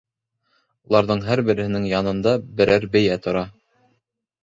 Уларҙың һәр береһенең янында берәр бейә тора.